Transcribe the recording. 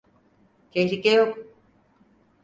Tehlike yok.